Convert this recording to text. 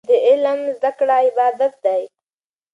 د علم زده کړه عبادت دی.